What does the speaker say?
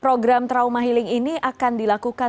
program trauma healing ini akan dilakukan